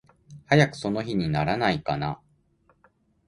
早くその日にならないかな。